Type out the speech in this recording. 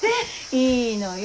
いいのよ